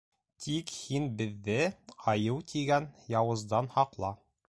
Тик һин беҙҙе Айыу тигән яуыздан һаҡла.